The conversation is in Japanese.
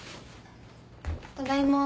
ただいま。